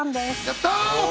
やった！